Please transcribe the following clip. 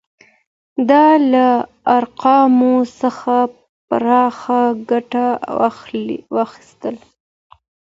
ده له ارقامو څخه پراخه ګټه واخیسته.